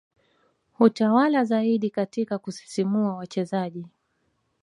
hutawala zaidi katika kusisimua wachezaji